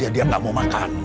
dia gak mau makan